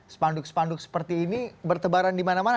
spanduk spanduk seperti ini bertebaran di mana mana